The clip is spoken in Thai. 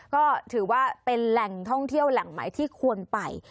ก็ถือว่าเป็นแหล่งท่องเที่ยวแหล่งใหม่ที่ควรไป